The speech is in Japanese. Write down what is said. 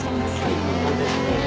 ここですよ。